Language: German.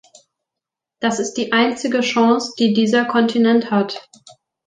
Das ist die einzige Chance, die dieser Kontinent hat.